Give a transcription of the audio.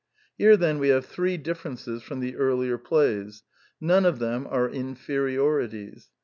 Here, then, we have three differences from the earlier plays. None of them are inferiorities.